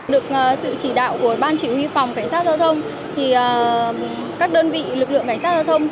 được sự chỉ đạo của ban chỉ huy phòng cảnh sát giao thông thì các đơn vị lực lượng cảnh sát giao thông